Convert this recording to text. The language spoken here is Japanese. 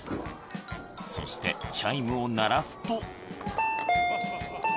そしてチャイムを鳴らすと。